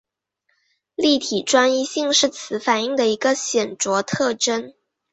立体专一性是此反应的一个显着特征。